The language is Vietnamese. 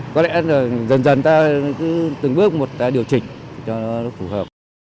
có lẽ là dần dần ta cứ từng bước một điều chỉnh cho nó phù hợp